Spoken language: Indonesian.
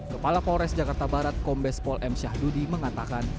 kepala polres jakarta barat kombes pol m syahdudi mengatakan